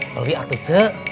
beli atuh c